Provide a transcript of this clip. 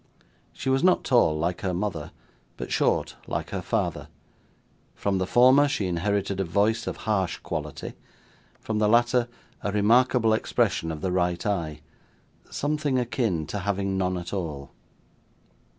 She was not tall like her mother, but short like her father; from the former she inherited a voice of harsh quality; from the latter a remarkable expression of the right eye, something akin to having none at all.